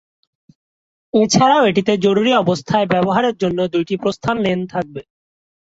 এছাড়াও এটিতে জরুরী অবস্থায় ব্যবহারের জন্য দুইটি প্রস্থান লেন থাকবে।